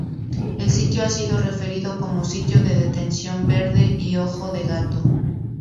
El sitio ha sido referido como "Sitio de Detención Verde" y "Ojo de gato".